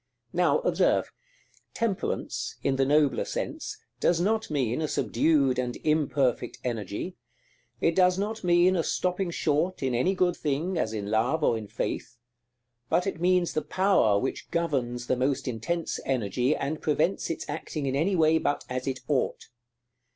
Now, observe: Temperance, in the nobler sense, does not mean a subdued and imperfect energy; it does not mean a stopping short in any good thing, as in Love or in Faith; but it means the power which governs the most intense energy, and prevents its acting in any way but as it ought.